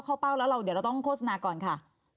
แล้วเราต้องโฆษณาก่อนค่ะ